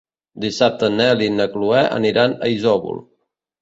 Dissabte en Nel i na Chloé aniran a Isòvol.